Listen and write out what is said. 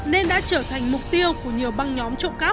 nên đã trở thành mục tiêu của nhiều băng nhỏ